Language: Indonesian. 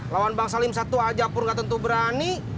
lawan bang salim satu aja pur gak tentu berani